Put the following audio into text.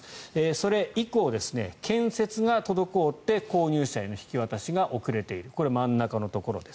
それ以降、建設が滞って購入者への引き渡しが遅れているこれが真ん中のところ。